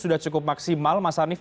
sudah cukup maksimal mas hanif